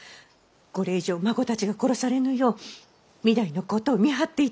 これ以上孫たちが殺されぬよう御台のことを見張っていておくれ。